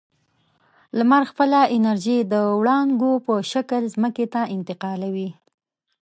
لمر خپله انرژي د وړانګو په شکل ځمکې ته انتقالوي.